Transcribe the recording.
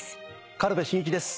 軽部真一です。